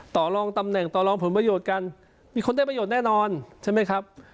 ต่อลองตำแหน่งต่อรองผลประโยชน์กันมีคนได้ประโยชน์แน่นอนใช่ไหมครับ